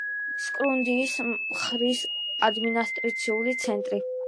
სკრუნდის მხარის ადმინისტრაციული ცენტრი.